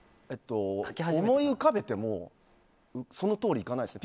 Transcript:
思い浮かべてもそのとおりいかないですね。